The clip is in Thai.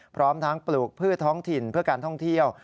พร้อมทั้งปลูกพืชท้องถิ่นเพื่อการท่องเที่ยว